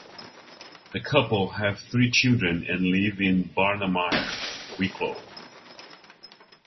The couple have three children and live in Barnamire, Wicklow.